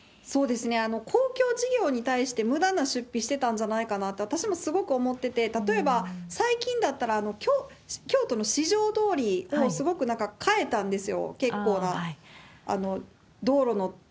公共事業に対してむだな出費してたんじゃないかなって、私もすごく思ってて、例えば最近だったら、京都の四条通をすごくなんか変えたんですよ。